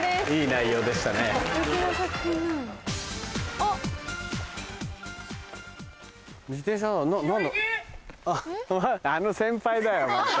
・あの先輩だよまた。